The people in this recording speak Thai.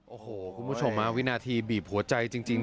โอ้โหคุณผู้ชมวินาทีบีบหัวใจจริง